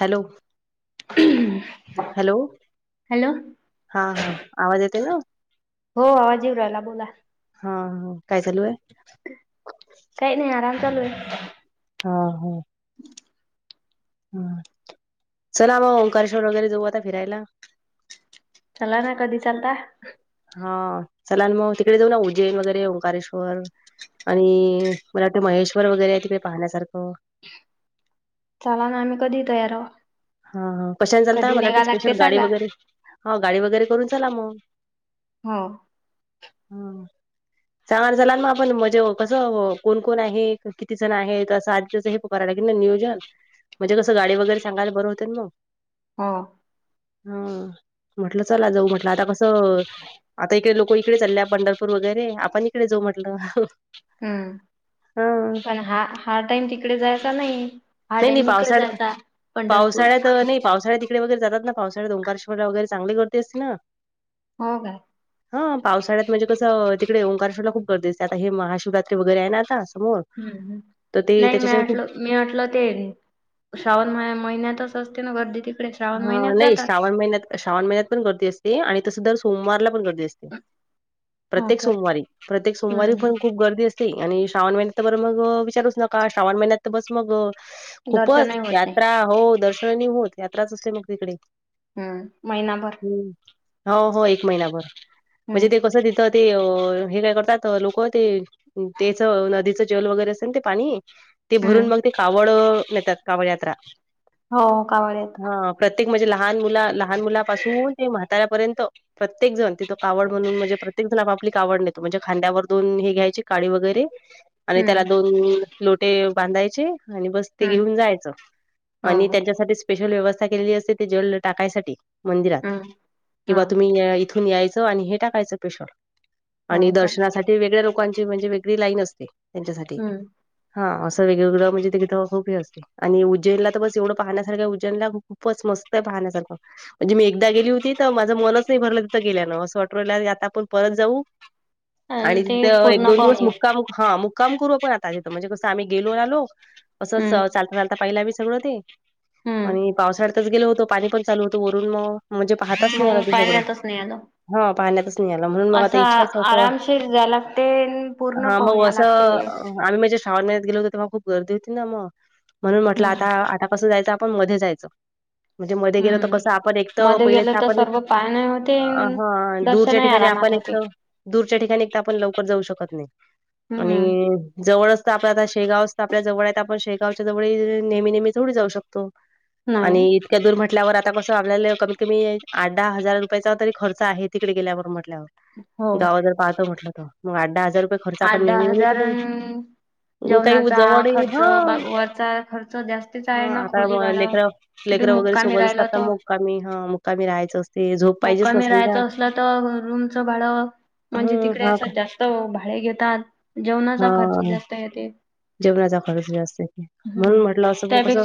Hello हम् hello हा हा आवाज येत ना हो आवाजीव राहिला बोला. हा काय चालू आहे. च नाही हरा चलू आहे. हा हा. हम् चला मग ओंकारेश्वर वगैरे जऊ आता फिरायला. चला ना कधी चालता. हा चलाल मग तिकडे जाऊ ना उ्जैन वगैरे ओंकारेश्वर. आणि मराठी महेश्वर वगैरे आहे तिकडे पाहण्यासारखं ला ना आम्ही कधी तयार आहो. हा ह कशाने चालत मला वा स्पेशल गाडी सांगा वगैरे हा गाडी वगैरे करून ला मग. हो हो. सांगणार झाला म आपण म्हणजे कसं कोण कोण आहे किती जण आहेत असं. हे प करायला क नियोजन म्हणजे कसं गाडी वगैरे सांगायला बरं होते मग. हो. हा म्हटलं चला जाऊ म्हटलं आता कसं आता इकडे लोक इिकडे लल्या पंढरपूर वगैरे आपण इकडे जाऊ म्हटलं हम्म हा पण हा हा टाइम तिकडे जायचा नाही. हहा नाही टाम नाही नििकळत जाय का पंढरपूर. पावसाळ्या तिकडे वगैर जात ना पावसा्या डोंगारश्डा वगैर चांगले करते असते ना. हो काय हा पावसाळ्यात म्हणजे कसं तिकडे ओकारशाडला खूप गरजेचं आता हे महाशिवरात्री वगैरे आहे ना आता समोर हम्म तर ते नाही त्याच्याच्यान खूप मळाटलं. मी म्हटलं ते श्रावण म महिन्यातच असते ना गर्दी त फ्रेश. ह नाही श्रावण महिन्यात श्रावण महिन्यात पण गर्दी असते आणि तसं दर सोमवारला पण गर्दी असते. हो प्रत्येक काय सोमवारी प्रत्येक सोमवारी पण हम्म खूप गर्दी असते. श्रावण महिन्यात बर मग विचारू नका श्रवण महिन्यात. तर बस मग खूपच दर्शनही होत नाही यात्रा हो दर्शनानी होत यात्राच असते मग तिकडे. हम्म महिनाभर. हो हो एक महिनाभर हम्म म्हणजे ते कस. तर ते हे काय करतात लोक ते. तेच नदीचं जल वगैरे असेल ते पाणी. ते हम्म भरून मग ते कावड नेतात कावड यात्रा. हो कावडत. प्रत्येक म्हणजे लहान मुला लहान मुलापासून ते म्हाताळ्यापर्यंत. प्रत्येक जण तिथं कावड म्हणून म्हणजे प्रत्येक जण आपली कावड नेतो म्हणजे खांद्यावर दोन हे घ्यायचे काळी वगैरे आणि त्याला हम्म दोन लोटे बांधायचे आणि बस ते हम्म घेऊन जायचं आणि हो त्याच्यासाठी स्पेशल व्यवस्थ ज टाका म हम्म किंवा हो तुम् तथून यायचं आणि हे टाकायचं पेशर आणि हो का दर्शनासाठी वेगळे लकां म्हणजे वेगळी लाईन असते त्यांच्यासाठी हम्म हा असं वेगळवेगळं म्हणजे तथं खूपी असते आणि उज्जैनला तर बस एवढं पाहण्यासारख्याज्जैनला खूपच मस्त आहे पाहानचा म्हणजे मी एकदा गेली होती तर माझं मनच नाही भरलं तिथं गेल्यान असं वाट आता आपण परत जाऊ आणि ते तिथ एक पूर्ण दोन पाहून दिवस येऊ मुक्का मुक् हा मुक्काम करू पण आताथ म्हणजे कस आम्ही गेलो ना लोक असंच हम्म चालता चालता पाहिलं मही सगळं ते हम्म आणि पावसाळ्यातच गेलो होतो पा चालू होत वरून मग म्हणजे पाहताच नाही आला मग ते सगळं पाण्यातच नाही आलं हा पाहण्यातच निळालं म्हणून मग असं आता इच्छाच आ- अस वा आरामशीर जाय लागते आणि पूर्ण हा पाहून मग याय असं लागते आम्ही माझ्या शाव मन्यात गलो होो ते म खूप गर्दी होती मग म्हणून म्हटलं हम्म आता आता कसं जायचं आपण मध्ये जायचं म्हणजे मध्ये गेलो तर कसं आपण एकत हम्म मध्ये पहिल्याच गेलं तर आपण सर्व पाहणे होते हा दूरच्या दर्शनही ठिकाणी आपण आरामात होते एकत दूरच्या ठिकाणी एक तर आपण लवकर जाऊ शकत नाही हम्म आणि जवळच तर आपल्या आता शेगावच तर आपल्या जवळ आहेत आपण शेगावच्या जवळ नेहमी नेहमी थढडी जाऊ शकतो नाही आणि इतक्या दूर म्हटल्यावर आता कस आपल्याला कमीत कमी आठ दहा हजार रुपयाचा तरी खर्च आहे तिकडे गेल्यावर म्हटल्यावर हो गाव जर पाहतो म्हटलं तर मग आठ दहा हजार रुपये खर्च आठ पण दहा नेहमीेमी हजार त अन् काही जेवणाचा जवळ खर्च हा बा- वरचा खर्च जास्तीच आहे ना हा खोली का भाडं लेकर कुठे लेकर वगैरे मुक्कामी सोबत राहिला असतात तर मुक्कामी हा मुक्कामी राहायचं असते झोप पाहिजेच ना समजा बाळ म्हणजे हं, तिकडे हां, का सध्या भाडे घेतात जेवणाचा खर्च हां, जास्त येते जेवणाचा खर्च जास्त म्हणून म्हटलं असं पण कसं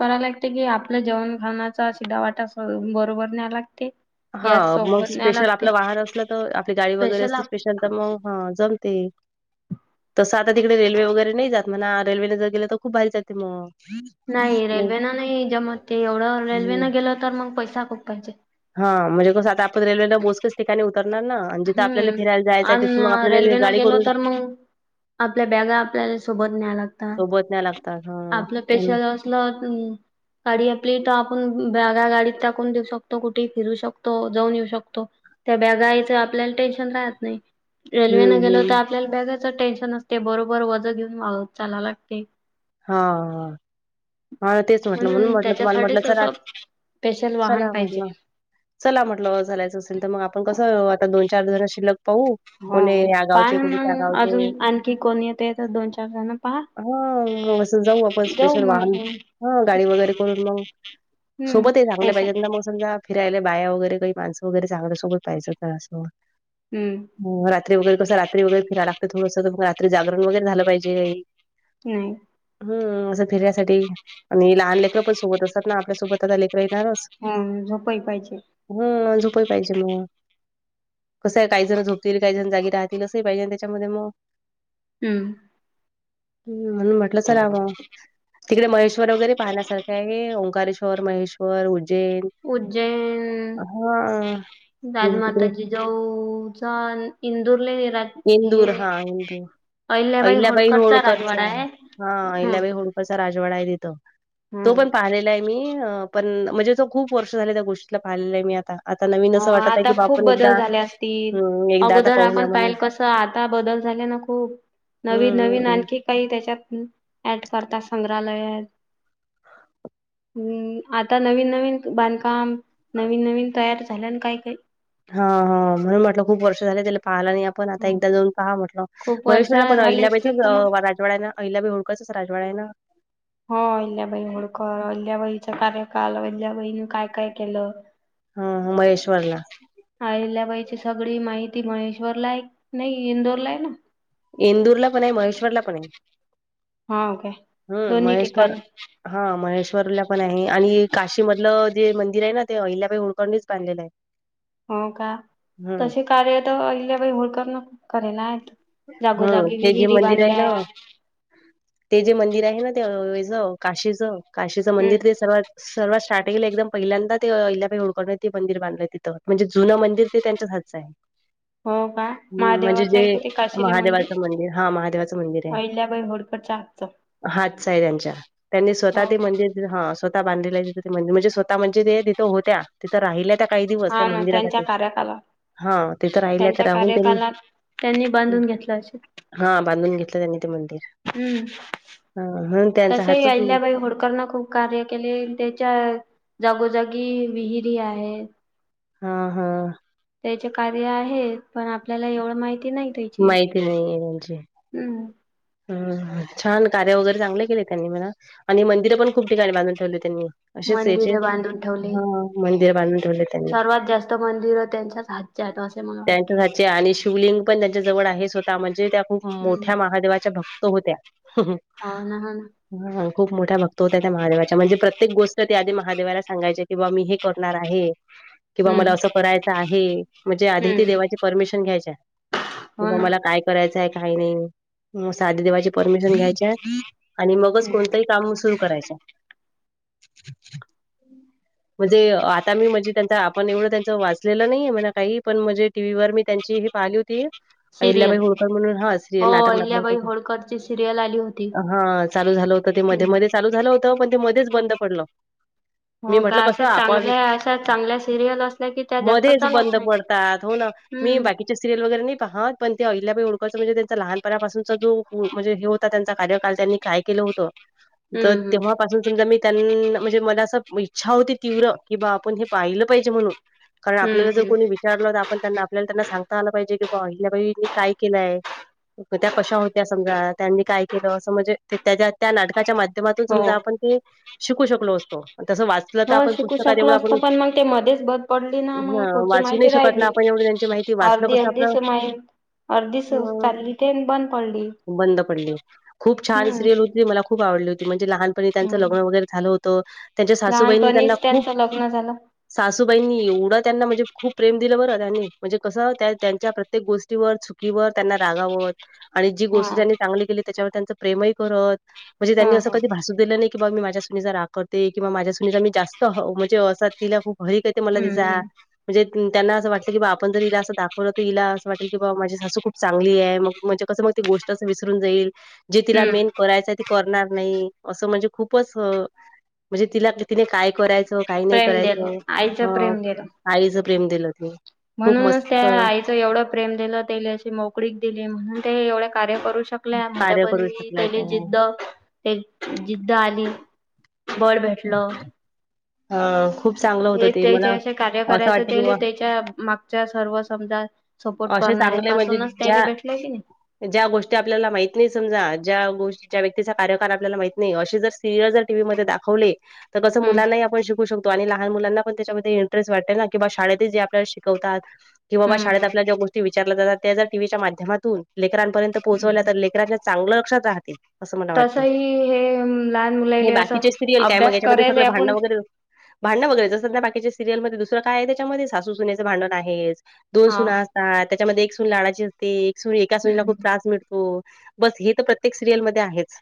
कराय लागते की आपल्या जेवण खानाचा सिधा वाटा बरोबर न्याय लागते हा गॅस मग सोबत न्याय स्पेशल लागते आपलं वाहन असलं तर आपली गाडी वगैरे स्पेशल असली आप स्पेशल तर मग हा जमती तसं आता तिकडे रेल्वे वगैरे नाही जात म्हणा रेल्वेने जर गेलं तर खूप भारी जाते मग नाही मग रेल्वे नं नाही जम ते एवढं रेल्वेनं गेलं तर मग पैसा खूप पाहिजे हा म्हणजे कसं आता आपण रेल्वेला बोसकच ठिकाणी उतरणार ना आणि जिथं हम्म आपल्याला फिरायला जायचं आहे आणि तिथून मग आपल्याला रेल्वे न गाडी गेलो करून तर मग आपल्या बॅगा आपल्याला सोबत न्याय लागतात सोबत न्याय लागतात. हां, आपलं हं. पेशल. ला. गाडी आपली तर आपण बग्या गाडीत टाकून देऊ शकतो कुठेही फिरू शकतो जाऊन येऊ शकतो. त्या बॅगायचं आपल्याला टेन्शन राहत नाही रेल्वे हं, न गेलो तर. हं. आपल्याला बॅगाच टेन्शन असते बरोबर वज घेऊन चाला लागते. हा हा. हा तेच म्हटलं म्हणून म्हटलं तुम्हाला म्हटलं त्याच्यासाठीच चला असं स्पेशल वाहन चला पाहिजे म्हटलं. चला म्हटलं झालायचं असेल तर मग आपण कसं आता दोन चार जण शिल्क पाहू. हो कोणी या पाहा गावचे, कोणी ना त्या मग गावचे. अजून आणखी कोण येत येत दोन चार जण पाहा. हा अस जाऊ आपण स्पेशल वाहन.. आपण हा गाडी वगैरे करून मग हम्म सोबतही चांगल्या पेशल पाहिजे मग समजा. फिराय बाया वगैरे काही माणसं वगैरेांगल्या सोबत पाहिये होत असं. हम्म. रात्री वगैरे कस रात्री वगैर फिराय लागते थोडंसं मग रात्री जागरण वगैरे झालं पाहिजेही. नाही. हम्म असं फिरण्यासाठी आणि लहान लेकरं पण सोबत असतात ना आपल्यासोबत. आता लेकर येणारच हा झोपही पाहिजे हम्म झोपही पाहिजे मग. कसं आहे काही जण झोपतील काही जण जागी राहतील असंही पाहिजे त्याच्यामध्ये मग. हम्म. हम्म म्हणून म्हटलं चला म तिकडे महेश. वगैरे पाहण्यासारखे आहे ओंकारेश्वर, महेश्वर. उज्जैन उज्जैन हा म्हणजे तिकडे. जाऊचा इंदूरले हे इंदूर हा इंदूर अहिल्याबाई होळकरचा हा हम्म. अहिल्याबाई होळकर. राजवाडा आहे तिथं तो हम्म. पण पाहिलेला आहे. मी पण म्हणजे त खूप वर्ष झाले त्या गोष्टीला पाहिलेलं आहे मी आता. आता नवीन हो असं वाटत आहे की आता बा खूप आपण बदल एकदा झाले असतील. हम्म एकदा आता अगोदर पाहूया आपण म्हणून. पाहिल कसं आता बदल झाल्याने खूप हं, नवी हं, नवीन हं. आणखी काही त्याच्यात ऍड करतात संग्रहालयात. हम्म आता नवीन, नवीन बांधकाम नवीन, नवीन तयार झाल्यान काय, काय हा हा म्हणून म्हटलं खूप वर्ष झाले त्याला पाहाला नाही आणि पण आता हम्म. एकदा जाऊन पहा म्हटलं खूप वर्ष महेश्वरला पण झाली अल्याबाई असतील तर मग. राजवाड्या ना अहिल्याबाई होळकर अस राजवाड्याना आहेना. हो अल्ल्याबाई होळकर अहिल्याबाईचा कार्यकाळ अहिल्याबाईने काय काय केलं. ह महेश्वरला. आहिल्याबाईची सगळी माहिती महेश्वरला आहे नाही इंदोरला आहे ना? इंदूरला पण आहे महेश्वरला पण आहे. हा काय हम्म दोन्ही महेश्वर ठिकाणी. हा महेश्वरला पण आहे आणि काशीमधलं जे मंदिर आहे ना ते अहिल्याबाई होळकरनीच बांधलेलं आहे. हो का हम्म तसे कार्यतर अहिल्याबाई होळकरन कराेण्यात हेत हम्म जागोजागी ते जे विहिरी मंदिर आहे बांधल्या. ना ते जे मंदिर आहे ना तेच काशीचं काशीचं हम्म. मंदिर ते सर्वात सर्वात स्टार्टिंगले एकदम पहिल्यांदा ते अहिल्याबाई होळकरण ते मंदिर बांधलं तिथं म्हणजे जुनं मंदिर ते त्यांच्याच हातचं आहे. [unintelligible] हो का हम्म म्हणजे महादेवाचं जे आहे. ते काशिले मंदिर महादेवाचं हा महादेवाचं अहिल्याबाई होळकरच्या हातच हातच आहे त्यांच्या त्यांनी स्वतः ते का. मंदिर हा स्वतः बांधलेला तिथ ते मंदिर म्हणजे स्वतः म्हणजे ते तिथं होत्या. तिथं राहिल्या त्या काही दिवस त्या हा ना त्यांच्या मंदिरासाठी कार्यकालात हा तिथं राहिल्या तर त्यांच्या राहून त्यांनी कार्यकालात त्यांनी बांधून घेतलं अशिल हा बांधून घेतलं त्यांनी ते मंदिर. हम्म हा म्हणून त्यांचा तसही हाच आहिल्यबाई होळकरन खुप कार्य केले त्याच्या जागोजागी विहिरी आहे. हा हा. त्याचे कार्य आहे पण आपल्याला एवढं माहिती नाही त्याची. माहिती हम्म. हम्म छान कार्य वगैरे चांगले केले त्यांनी म्हणा आणि मंदिरं पण खूप ठिकाणी बांधून ठेवले त्यांनी. असेच याचे मंदिरे बांधून ठेवली. हा मंदिर बांधून ठेवले त्यांनी. सर्वात जास्त मंदिरं त्यांच्याच हातच्यात असे मला वाटते. त्यांच्या हातचे आणि शिवलिंग पण त्यांच्या जवळ आहे स्वतः म्हणजे त्या खूप हम्म. मोठ्या महादेवाच्या तो होत्या. हो ना हो ना. हा खूप मोठ्या भक्त होत्या त्या महादेवाच्या म्हणजे प्रत्येक गोष्ट त्या आधी महादेवाला सांगायचे. किंवा मी हे करणार आहे. किंवा मला हम्म असं करायचं आहे म्हणजे आधी ती हम्म देवाची परमिशन घ्यायच्या. हो किंवा ना. मला काय करायचंय काही नाही मग आधी देवाची परमिशन घ्यायच्या. आणि मगच हम्म. कोणतंही काम सुरु करायच्या. म्हणजे आता मी म्हणजे त्यांचा पण एवढं त्यांच वाचलेलं नाही म्हणा काही पण म्हणजे टी व्ही वर मी त्यांची हे पाहिली होती अहिल्याबाई सिरियल होळकर म्हणून ह श्री हो नाटक अहिल्याबाई लागत होळकरची सिरियल आली होती. हा चालू झालं होत ते मध्ये हम्म. मध्ये चालू झालं होत पण ते मध्येच बंद पडल हो का असे चांगल्या अशा चांगल्या सिरियल असल्या की त्या जास्त मध्येच चालत नाही हम्म सिरयल वगैरे नाही पाहत पण ते अहिल्या बाई होळकरच म्हणजे त्यांचं लहांपणापासून त्यांचा जो म्हणजे हे होता त्यांचा कार्यकाल त्यांनी काय केलं होत तर हम्म हम्म तेव्हापासून समजा मी त्यांना म्हणजे मला असं इच्छा होती तीव्र की बा आपण हे पाहिलं पाहिजे म्हणून कारण हम्म आपल्याला जर हम्म कोणी विचारलं तर आपण त्यांना आपल्याला त्यांना सांगता आलं पाहिजे की बा अहिल्याबाईनी काय केलंय आहे त्या कशा होत्या समजा त्यांनी काय केलं अस म्हणजे त्या त्या नाटकाच्या माध्यमातून हो. समजा आपण ते शिकू शकलो असतो तस वाच हो शिकू शकलो असतो पण मग ते मध्येच बद पडली ना मग हं पुढची वाचू नाही माहिती शकत ना राहिली आपण एवढी त्यांची माहिती वाचणं अर्धी कसं अर्धी आपलं स माहि अर्धी स हं चालली ते बंद पडली बंद पडली खूप हम्म छान सिरियल होती मला खूप आवडली होती म्हणजे लहानपणी त्यांचं हम्म लग्न वगैरे झालं होतं त त्यांच्या सासूबाईंनी त्यांना लहानपणीच खूप त्यांचं लग्न झालं. सासूबाईंनी एवढं त्यांना म्हणजे खूप प्रेम दिलं बरं त्यांनी म्हणजे कसं त्यांच्या प्रत्येक गोष्टीवर की वर त्यांना रागावत आणि जी हा गोष्ट त्यांनी चांगली केली त्याच्यावर त्यांच प्रेमही करत म्हणजे हा त्यांनी असं हा कधी भास नाही कि बा मी माझ्या सुनीचा राग करते किंवा माझ्या सुनीचा मी जास्त म्हणजे असा तिला खूप हरी ते मला हम्म तिचा हम्म म्हणजे त्यांना असं वाटलं की बा आपण जर हिला असं दाखवलं तर हिला असं वाटेल की बा माझी सासू खूप चांगली आहे मग म्हणजे कसं मग ती गोष्ट अस विसरून जाईल जे तिला हम्म मेन करायच त करणार नाही असं म्हणजे खूपच म्हणजे तिला तिने काय करायचं काही नाही प्रेम दिलं करायचं आईचं ह प्रेम दिलं. आईच प्रेम दिलं त म्हणूनच त्या आई एवढं प्रेम दिलं त्यायले अशी मोकळीक दिली म्हणून ते एवढे कार्य करू शकत कल्या म्हण कार्य पण करू शकलाय त्याली त्या जिद्द ते जिद्द आली बळ भेटल हा हे ते जे असे कार्य करायचं की ते बा त्याच्या मागच्या सर्व समजा सपोर्ट असे करणारे चांगले म्हणजे पासूनच ज्या त्याले भेटलंय की नाही ज्या गोष्टी आपल्याला माहित नाही समजा ज्या गोष्ट ज्या व्यक्तीचा कार्यकार आपल्याला माहीत नाही अशीच सिरियल जर टीव्ही मध्ये दाखवले तर कसं हम्म मुलांनाही आपण शिकू शकतो आणि लहान मुलांना पण त्या इंटरेस्ट वाटे किं शळेत जे आप शिकवतात किं शाेत हम्म गोष्टी विचारल्या जात त्या जर टीव्च्या माध्यमातून लेकरांपर्यंत पोहोचवल्या हम्म तर लेकरांच्या चांगलं लक्षात राहते असं मला वाटते तसही हे लहान हे मुलाले असं बाकीचे सिरियल काय मग अभ्यास याच्यामध्ये करायले सगळं भांडणं आपण वगैरे भांडणं वगरे जंध बाकीच्या सिरियलमध्ये दुसर काय आहे त्याच्यामध्ये सासू सुन्याचें भांडण आहेस दोन हा सुना असतात त्याच्यामध्ये एक सुून लाडाची असते एक सून एका सुनीला खूप हम्म त्रास मिळतो हो बस हे तर प्रत्येक सिरियलमध्येध्ये आहेच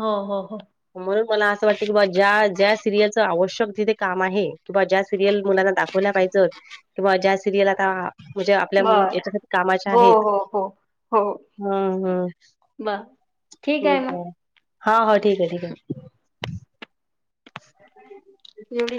हो हो हो म्हणून मला असं वाटतं की बाबा ज्या ज्या सिरियलचं आवश्यक तिथे काम आहे किं ज्या सिरियल मुलां दाखव पाहिज क ज्या सिरियल आताणजे बर याच्या कामाच्या हो आहेत हो हो हो हम्म हम् बर ठीक आहे म हा हा ठीक आहे ठीक आहे [unintelligible] एवढ